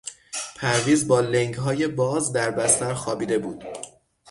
پرویز با لنگهای باز در بستر خوابیده بود.